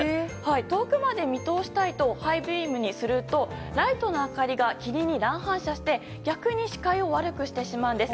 遠くまで見通したいとハイビームにするとライトの明かりが霧に乱反射して逆に視界を悪くしてしまうんです。